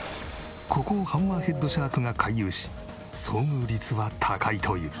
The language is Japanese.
ここをハンマーヘッドシャークが回遊し遭遇率は高いという。